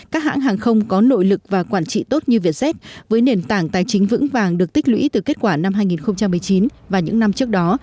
các hãng hàng không có nội lực và quản trị tốt như vietjet với nền tảng tài chính vững vàng được tích lũy từ kết quả năm hai nghìn một mươi chín và những năm trước đó